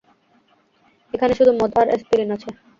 এখানে শুধু মদ আর অ্যাসপিরিন আছে।